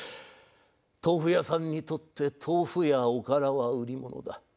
豆腐屋さんにとって豆腐やおからは売り物だ。